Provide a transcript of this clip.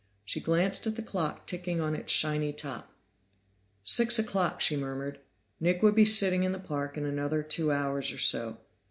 She glanced at the clock ticking on its shiny top. "Six o'clock," she murmured. Nick would be sitting in the park in another two hours or so.